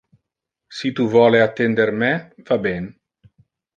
Si tu vole attender me, va ben.